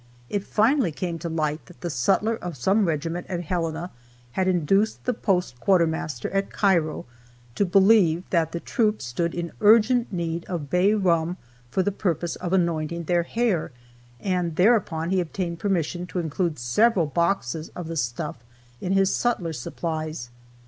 It finally came to light that the sutler of some regiment at Helena had induced the post quartermaster at Cairo to believe that the troops stood in urgent need of bay rum for the purpose of anointing their hair, and thereupon he obtained permission to include several boxes of the stuff in his sutler supplies.